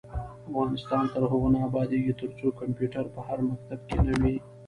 افغانستان تر هغو نه ابادیږي، ترڅو کمپیوټر په هر مکتب کې نه وي.